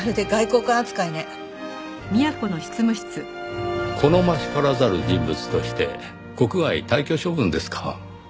好ましからざる人物として国外退去処分ですか。